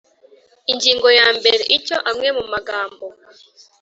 Ingingo ya mbere Icyo amwe mu magambo